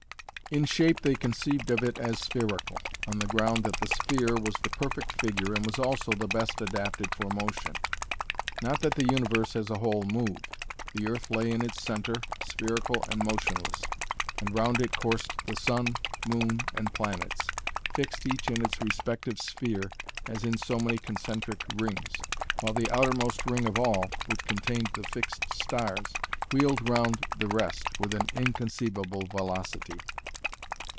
In shape they conceived of it as spherical, on the ground that the sphere was the perfect figure and was also the best adapted for motion. Not that the universe as a whole moved. The earth lay in its centre, spherical and motionless, and round it coursed the sun, moon, and planets, fixed each in its respective sphere as in so many concentric rings, while the outermost ring of all, which contained the fixed stars, wheeled round the rest with an inconceivable velocity.